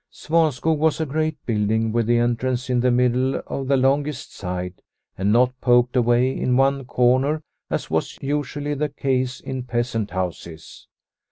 Svanskog was a great building, with the en trance in the middle of the longest side, and not poked away in one corner as was usually the case in peasant houses.